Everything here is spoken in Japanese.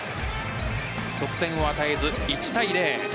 得点は与えず１対０。